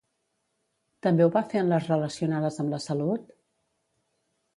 També ho va fer en les relacionades amb la salut?